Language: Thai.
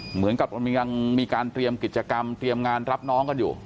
เหมือนกับยังมีการเตรียมกิจกรรมเตรียมงานรับน้องกันอยู่